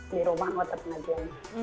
di rumah anggota pengajian